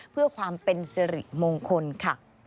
เพื่อความเป็นสิริมงคลค่ะ